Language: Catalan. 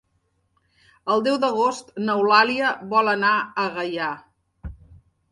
El deu d'agost n'Eulàlia vol anar a Gaià.